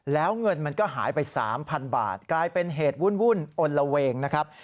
แล้วเงินมันก็หายไป๓๐๐บาทกลายเป็นเหตุวุ่นอลละเวงนะครับ